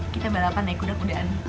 kita balapan naik kuda kudaan